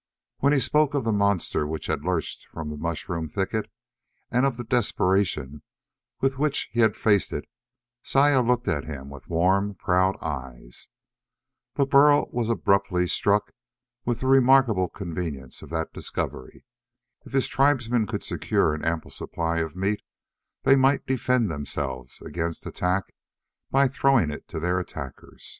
When he spoke of the monster which had lurched from the mushroom thicket, and of the desperation with which he had faced it, Saya looked at him with warm, proud eyes. But Burl was abruptly struck with the remarkable convenience of that discovery. If his tribesmen could secure an ample supply of meat, they might defend themselves against attack by throwing it to their attackers.